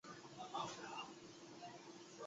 大叶银背藤是旋花科银背藤属的植物。